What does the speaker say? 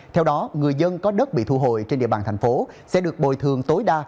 theo đó người dân có đất bị thu hồi trên địa bàn thành phố sẽ được bồi thường tối đa